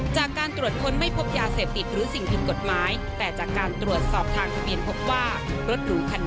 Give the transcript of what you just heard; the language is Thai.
จากการตรวจคนไม่พบยาเสพติดหรือสิ่งผิดกฎหมาย